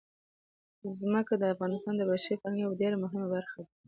ځمکه د افغانستان د بشري فرهنګ یوه ډېره مهمه برخه ده.